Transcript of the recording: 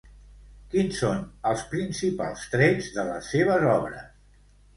Quins són els principals trets de les seves obres?